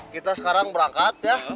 kita sekarang berangkat ya